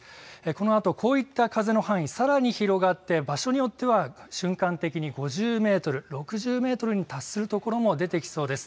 このあとこういった風の範囲、さらに広がって場所によっては瞬間的に５０メートル、６０メートルに達するところも出てきそうです。